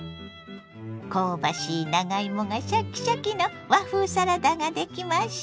香ばしい長芋がシャキシャキの和風サラダができました。